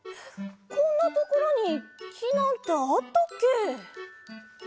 こんなところにきなんてあったっけ？